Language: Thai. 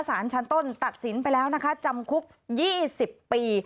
สารชั้นต้นตัดสินไปแล้วนะคะจำคุก๒๐ปี